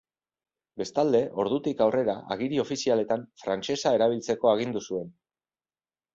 Bestalde, ordutik aurrera, agiri ofizialetan frantsesa erabiltzeko agindu zuen.